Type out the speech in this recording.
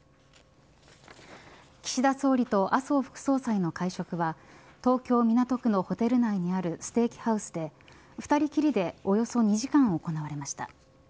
岸田総理と麻生副総裁の会食は東京、港区のホテル内にあるステーキハウスで２人きりでおよそ２時間行われました。